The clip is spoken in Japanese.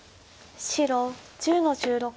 白１０の十六。